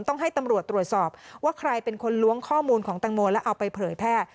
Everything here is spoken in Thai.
ต้องให้ตำรวจตรวจสอบว่าใครเป็นคนล้วงข้อมูลของตังโมแล้วเอาไปเผยแพร่